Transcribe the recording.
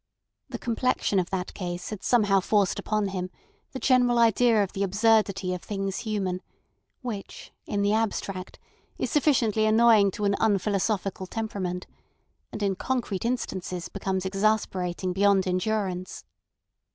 The complexion of that case had somehow forced upon him the general idea of the absurdity of things human, which in the abstract is sufficiently annoying to an unphilosophical temperament, and in concrete instances becomes exasperating beyond endurance.